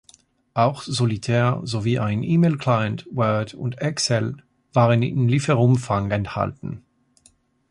Auch Solitär sowie ein E-Mail-Client, Word und Excel waren im Lieferumfang enthalten.